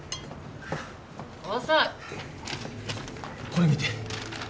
これ見て。